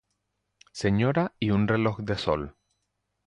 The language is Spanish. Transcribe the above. Señora y un reloj de sol.